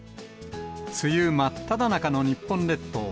梅雨真っただ中の日本列島。